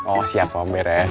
oh siap om